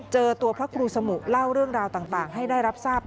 เจอตัวพระครูสมุเล่าเรื่องราวต่างให้ได้รับทราบ